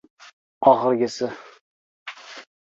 Choyxona to‘la odam bo‘ldi.